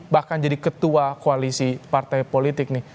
bahkan jadi ketua koalisi partai politik nih